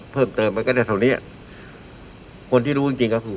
เพิ่มเติมมันก็ได้เท่านี้คนที่รู้จริงจริงก็คือ